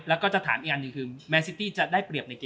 อ้าวเอาเลยลุยเลย